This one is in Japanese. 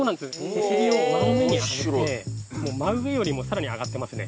お尻を真上に上げて真上よりもさらに上がってますね